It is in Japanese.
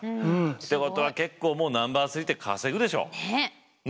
ってことは結構もうナンバー３って稼ぐでしょう？ね！